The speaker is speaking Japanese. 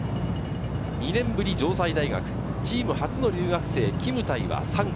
２年ぶり城西大学、チーム初の留学生・キムタイは３区。